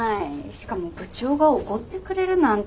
しかも部長がおごってくれるなんて。